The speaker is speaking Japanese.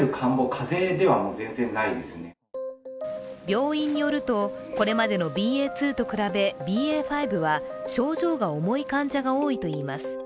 病院によると、これまでのＢＡ．２と比べ、ＢＡ．５は、症状が重い患者が多いといいます。